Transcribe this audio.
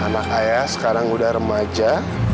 anak ayah sekarang udah remaja